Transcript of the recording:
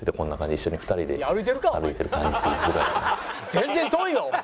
全然遠いわお前。